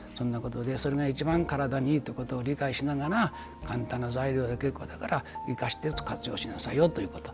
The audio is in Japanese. それが一番体にいいってことを理解しながら簡単な材料で結構だから生かして活用しなさいよということ。